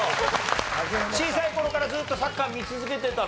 小さい頃からずーっとサッカー見続けてたの？